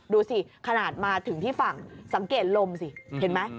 ดูสิขนาดมาถึงที่ฝั่งสังเกตลมสิเห็นไหม